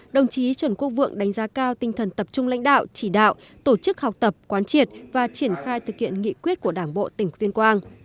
đồng chí trần quốc vượng đánh giá cao tinh thần tập trung lãnh đạo chỉ đạo tổ chức học tập quán triệt và triển khai thực hiện nghị quyết của đảng bộ tỉnh tuyên quang